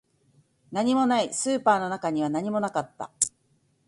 何もない、スーパーの中には何もなかった